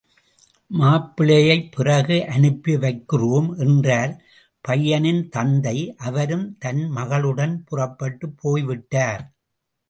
மாப்பிள்ளையைப் பிறகு அனுப்பிவைக்கிறோம் என்றார் பையனின் தந்தை அவரும், தன் மகளுடன் புறப்பட்டுப் போய் விட்டார்.